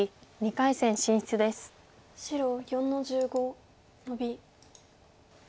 白４の十五ノビ。